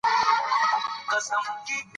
ډیجیټل بانکوالي په افغانستان کې د پرمختګ لاره ده.